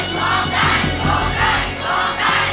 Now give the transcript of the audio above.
พุทธแห่งโลกใจโลกใจ